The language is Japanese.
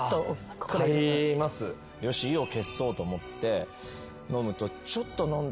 よし意を決そうと思って飲むと。